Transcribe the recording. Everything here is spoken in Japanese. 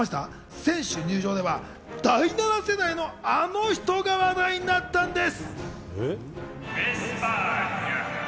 選手入場では第７世代のあの人も話題になったんです。